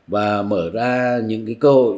và mở ra những cơ hội